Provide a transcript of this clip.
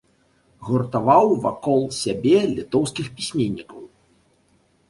Гуртаваў вакол сябе літоўскіх пісьменнікаў.